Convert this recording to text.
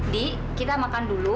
di kita makan dulu